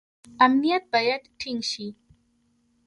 امنیت باید ټینګ شي